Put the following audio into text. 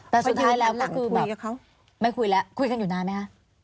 แต่สุดท้ายแล้วก็คือแบบไม่คุยแล้วคุยกันอยู่นานไหมคะ